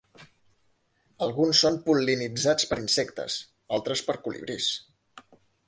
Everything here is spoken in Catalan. Alguns són pol·linitzats per insectes, altres per colibrís.